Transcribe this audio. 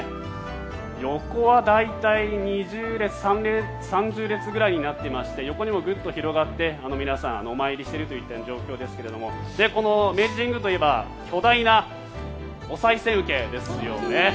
横は大体２０列、３０列くらいになっていまして横にもグッと広がって皆さん、お参りしているという状況ですがこの明治神宮といえば巨大なおさい銭受けですよね。